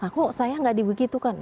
kok saya tidak dibegitukan